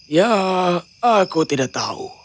ya aku tidak tahu